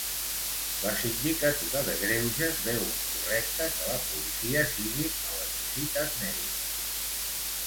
La Sindicatura de Greuges veu incorrecte que la policia sigui a les visites mèdiques.